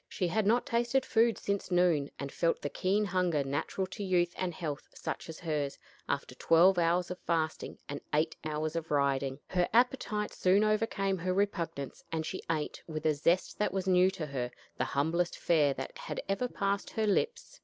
She had not tasted food since noon, and felt the keen hunger natural to youth and health such as hers, after twelve hours of fasting and eight hours of riding. Her appetite soon overcame her repugnance, and she ate, with a zest that was new to her, the humblest fare that had ever passed her lips.